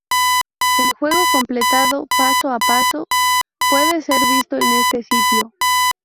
El juego completado paso a paso puede ser visto en este sitio.